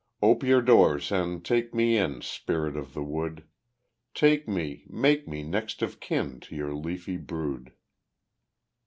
Ope your doors and take me in, Spirit of the wood; Take me make me next of kin To your leafy brood.